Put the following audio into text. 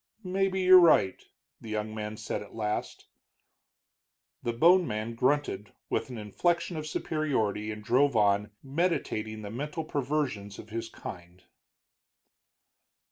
"Maybe you're right," the young man said at last. The bone man grunted, with an inflection of superiority, and drove on, meditating the mental perversions of his kind.